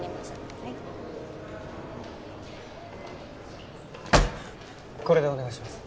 はいこれでお願いします